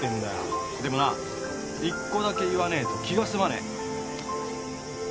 でもな１個だけ言わねえと気が済まねえ。